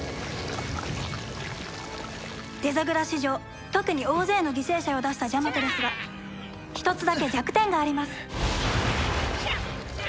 デザグラ史上特に大勢の犠牲者を出したジャマトですが１つだけ弱点があります。